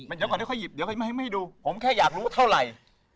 เดี๋ยวก่อนให้เขาหยิบเดี๋ยวเขาให้ดูผมแค่อยากรู้เท่าไหร่